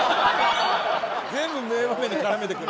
全部名場面に絡めてくる。